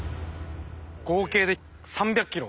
合計で３００ｋｇ。